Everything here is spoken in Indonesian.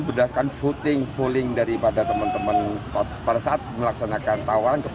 makai karena beromongnya atau memang karena program pengakuan tapi